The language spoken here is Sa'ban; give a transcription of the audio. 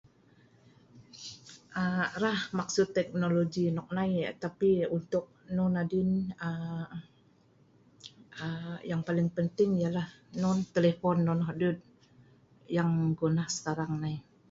Aaa rah maksud teknologi noknai tapi untuk non adin aaa aa yang paling penting ialah non telepon nonoh dut. Yang gunah sekarang nai.